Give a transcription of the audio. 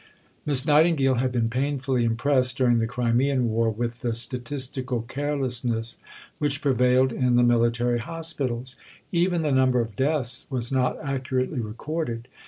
Miss Nightingale had been painfully impressed during the Crimean War with the statistical carelessness which prevailed in the military hospitals. Even the number of deaths was not accurately recorded.